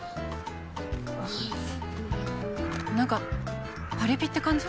なんかパリピって感じ？